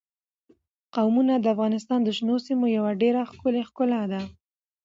قومونه د افغانستان د شنو سیمو یوه ډېره ښکلې ښکلا ده.